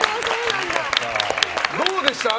どうでしたか？